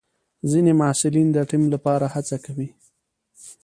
ځینې محصلین د ټیم لپاره هڅه کوي.